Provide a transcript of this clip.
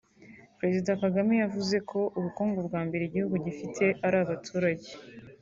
Perezida Kagame yavuze ko ubukungu bwa mbere igihugu gifite ari abaturage